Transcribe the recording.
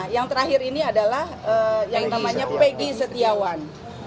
yang terakhir ini adalah yang namanya peggy setiawan